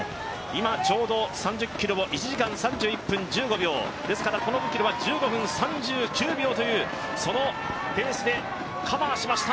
今、ちょうど３０ｋｍを１時間３１分１５秒、ですからこの５ｋｍは１５分３９秒というそのペースでカバーしました。